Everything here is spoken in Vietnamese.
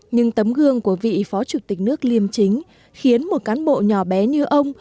nhưng tấm gương của vị phó chủ tịch nước liêm chính khiến một cán bộ nhỏ bé như ông